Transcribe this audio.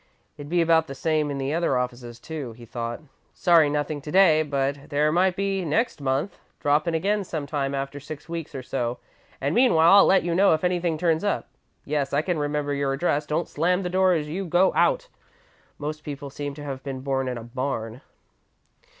"It'd be about the same in the other offices, too," he thought. "'Sorry, nothing to day, but there might be next month. Drop in again sometime after six weeks or so and meanwhile I'll let you know if anything turns up. Yes, I can remember your address. Don't slam the door as you go out. Most people seem to have been born in a barn.'